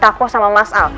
bantah aku sama mas al